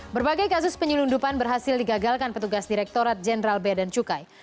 berbagai kasus penyelundupan berhasil digagalkan petugas direkturat jenderal bea dan cukai